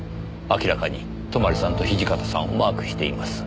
明らかに泊さんと土方さんをマークしています。